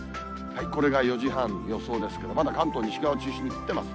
これが４時半、予想ですけど、まだ関東西側を中心に降ってます。